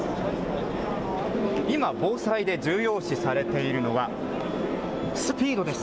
今、防災で重要視されているのはスピードです。